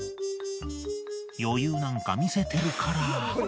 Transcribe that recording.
余裕なんか見せてるから。